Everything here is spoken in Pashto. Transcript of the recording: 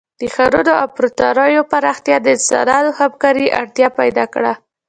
د ښارونو او امپراتوریو پراختیا د انسانانو همکارۍ اړتیا پیدا کړه.